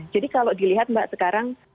jadi kalau dilihat mbak sekarang